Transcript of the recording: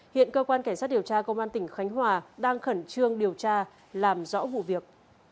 hiện cơ quan cảnh sát điều tra công an tỉnh khánh hòa đang khẩn trương điều tra làm rõ vụ việc